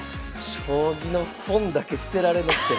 将棋の本だけ捨てられなくて。